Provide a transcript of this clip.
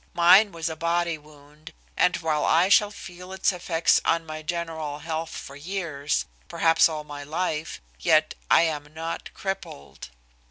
Mine was a body wound, and while I shall feel its effects on my general health for years, perhaps all my life, yet I am not crippled."